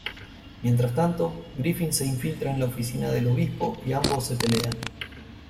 Mientras tanto, Griffin se infiltra en la oficina del obispo y ambos se pelean.